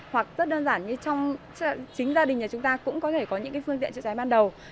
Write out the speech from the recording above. hoặc rất đơn giản như trong chính gia đình nhà chúng ta cũng có thể có những phương tiện chữa cháy ban đầu